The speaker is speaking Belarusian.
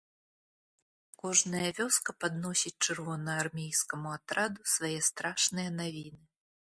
Кожная вёска падносіць чырвонаармейскаму атраду свае страшныя навіны.